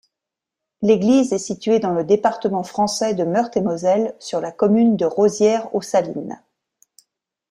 L'église est située dans le département français de Meurthe-et-Moselle, sur la commune de Rosières-aux-Salines.